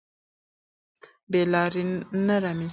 بې لارۍ نه رامنځته کېږي.